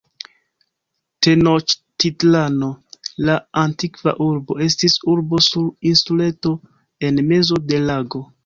Tenoĉtitlano, la antikva urbo, estis urbo sur insuleto en mezo de lago.